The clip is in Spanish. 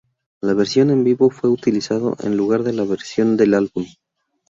La versión en vivo fue utilizado en lugar de la versión del álbum.